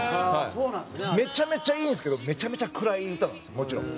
めちゃめちゃいいんですけどめちゃめちゃ暗い歌なんですもちろん。